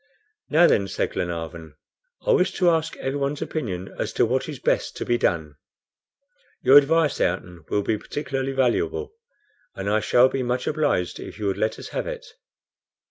"Now then," said Glenarvan, "I wish to ask everyone's opinion as to what is best to be done. Your advice, Ayrton, will be particularly valuable, and I shall be much obliged if you would let us have it."